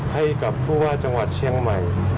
ให้กับผู้ว่าจังหวัดเชียงใหม่